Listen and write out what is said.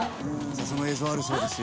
その映像あるそうですよ。